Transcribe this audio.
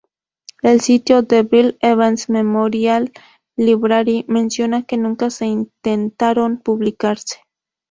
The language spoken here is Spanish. El sitio "The Bill Evans Memorial Library" menciona que nunca se intentaron publicarse.